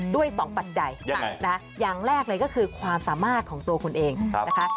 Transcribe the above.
ด้วย๒ปัจจัยอย่างแรกเลยก็คือความสามารถของตัวคุณเองนะคะ